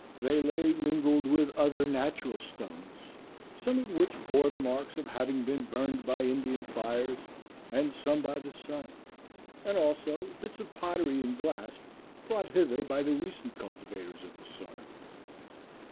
They lay mingled with other natural stones, some of which bore the marks of having been burned by Indian fires, and some by the sun, and also bits of pottery and glass brought hither by the recent cultivators of the soil.